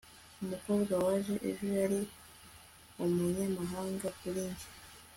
umukobwa waje ejo yari umunyamahanga kuri njye